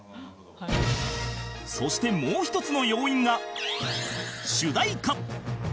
そしてもう一つの要因が